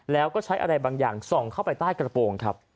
แล้วก็ใช้อะไรบางอย่างส่องเข้าไปใต้กระโปรงครับ